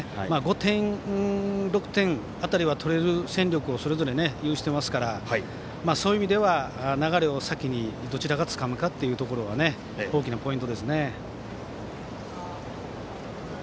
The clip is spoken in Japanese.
５点、６点辺りは取れる戦力を、それぞれ有していますからそういう意味では、流れを先にどちらがつかむかが大きなポイントですね。